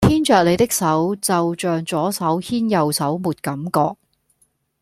牽著你的手就象左手牽右手沒感覺